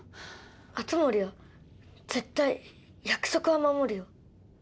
熱護は絶対約束は守るよ。